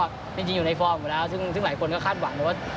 จริงอยู่ในฟอร์มอยู่แล้วซึ่งหลายคนก็คาดหวังนะว่า